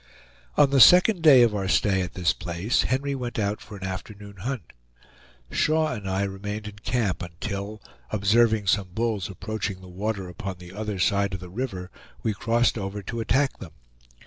On the second day of our stay at this place, Henry went out for an afternoon hunt. Shaw and I remained in camp until, observing some bulls approaching the water upon the other side of the river, we crossed over to attack them.